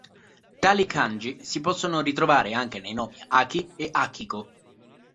Tali kanji si possono ritrovare anche nei nomi Aki e Akiko.